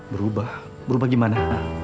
berubah berubah gimana